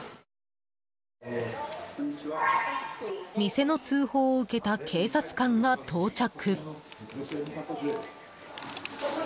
店の通報を受けた警察官が到着。